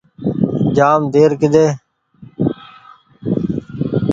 جآم دير ڪۮي